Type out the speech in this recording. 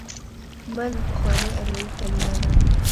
من: پخوانۍ آریايي کليمه ده.